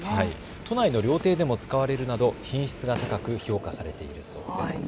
都内の料亭でも使われるなど品質が高く評価されているそうです。